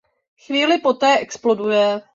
Chvíli poté exploduje.